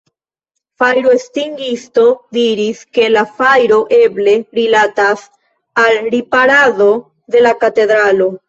Fajroestingisto diris, ke la fajro eble rilatas al riparado en la katedralo.